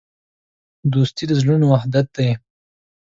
دوستي د زړونو وحدت دی.